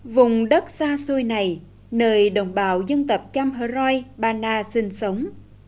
vùng đất xa xôi này nơi đồng bào dân tập cham hỡi ba na sinh sống